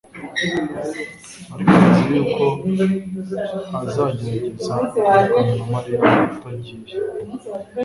Nari nzi ko azagerageza kuvugana na Mariya atagiye.